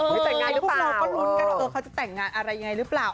พวกเราก็ลุ้นกันว่าเขาจะแต่งงานอะไรอย่างไรหรือเปล่า